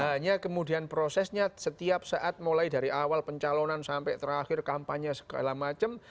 hanya kemudian prosesnya setiap saat mulai dari awal pencalonan sampai terakhir kampanye segala macam